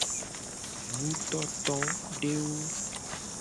Nutotodewo.